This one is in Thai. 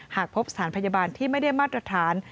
หากพบสถานพยาบาลที่ไม่ได้มาตรฐาน